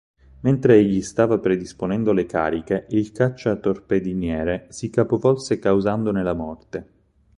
Mentre egli stava predisponendo le cariche il cacciatorpediniere si capovolse causandone la morte.